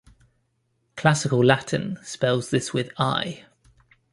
Classical Latin spells this with "i".